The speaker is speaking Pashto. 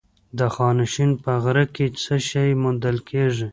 د خانشین په غره کې څه شی موندل کیږي؟